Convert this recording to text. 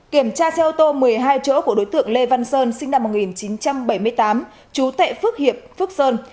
kiểm tra xe ô tô một mươi hai chỗ của đối tượng lê văn sơn sinh năm một nghìn chín trăm bảy mươi tám trú tại phước hiệp phước sơn